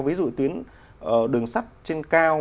ví dụ tuyến đường sắp trên cao